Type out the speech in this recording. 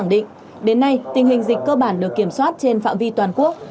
đến nay tình hình dịch cơ bản được kiểm soát trên phạm vi toàn quốc